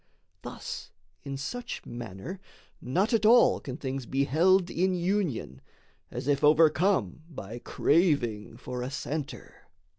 Thus in such manner not at all can things Be held in union, as if overcome By craving for a centre.